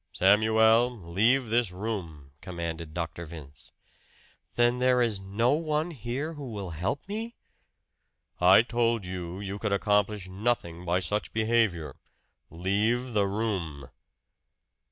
"Samuel, leave this room!" commanded Dr. Vince. "Then there is no one here who will help me?" "I told you you could accomplish nothing by such behavior. Leave the room!"